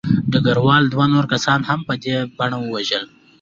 ډګروال دوه نور کسان هم په همدې بڼه ووژل